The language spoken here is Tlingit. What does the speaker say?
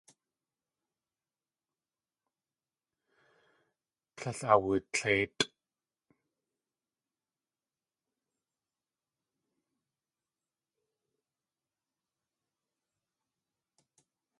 Tlél awutléitʼ.